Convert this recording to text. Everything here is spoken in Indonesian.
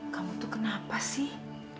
kamu tuh kenapa sih